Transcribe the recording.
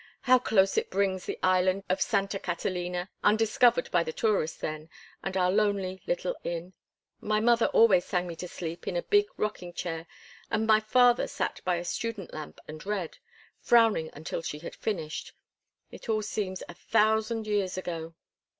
"How close it brings the island of Santa Catalina, undiscovered by the tourist then, and our lonely little inn! My mother always sang me to sleep in a big rocking chair, and my father sat by a student lamp and read, frowning until she had finished. It all seems a thousand years ago."